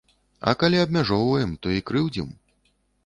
А калі абмяжоўваем, то і крыўдзім.